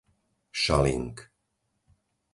Šaling